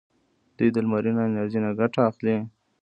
دوی د لمرینه انرژۍ نه ګټه اخلي.